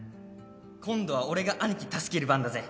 「今度は俺がアニキ助ける番だぜ！」